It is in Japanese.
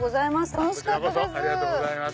ありがとうございます。